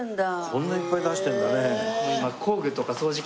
こんなにいっぱい出してるんだね。